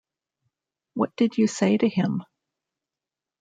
What did you say to him?